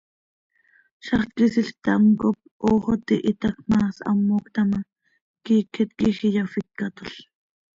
Zaxt quisil ctam cop hoox oo tihitac ma, shamoc taa ma, quiiquet quij iyafícatol.